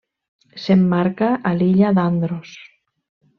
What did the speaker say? S'emmarca a l'illa d'Andros.